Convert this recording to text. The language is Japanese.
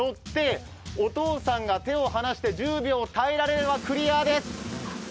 お父さんが手を離して１０秒耐えられればクリアです。